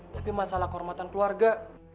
tapi masalah kehormatan keluarga